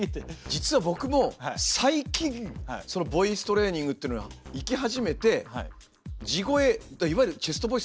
実は僕も最近そのボイストレーニングっていうのを行き始めて地声いわゆるチェストボイスっていうのかな。